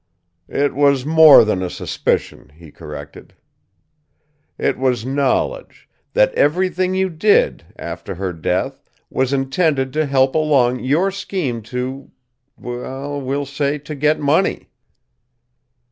"It was more than a suspicion," he corrected. "It was knowledge that everything you did, after her death, was intended to help along your scheme to we'll say, to get money."